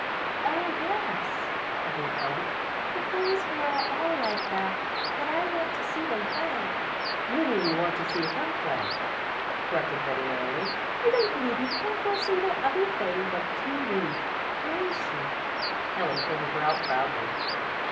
"Oh, yes," agreed Helen. "The things here are all like that, but I want to see them play." "You mean you want to see her play," corrected Betty merrily. "I don't believe you care for a single other thing but T. Reed. Where is she?" Helen pointed her out proudly.